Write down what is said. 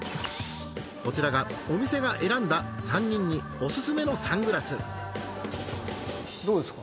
こちらがお店が選んだ３人におすすめのサングラスどうですか？